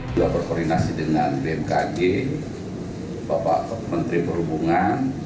sudah berkoordinasi dengan bmkg bapak menteri perhubungan